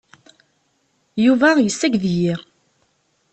Yuba yessaged-iyi.